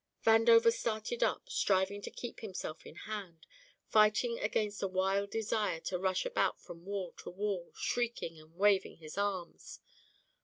Vandover started up, striving to keep himself in hand, fighting against a wild desire to rush about from wall to wall, shrieking and waving his arms.